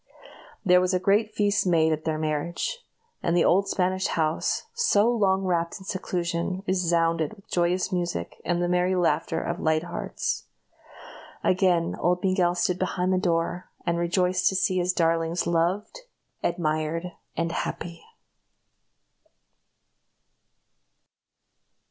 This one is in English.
There was a great feast made at their marriage; and the old Spanish house, so long wrapped in seclusion, resounded with joyous music and the merry laughter of light hearts. Again old Miguel stood behind the door, and rejoiced to see his darlings loved, admired, and happy.